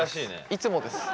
いつもです。